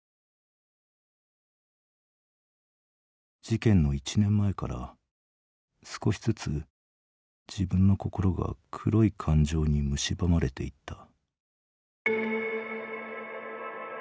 「事件の１年前から少しずつ自分の心が黒い感情にむしばまれていった」。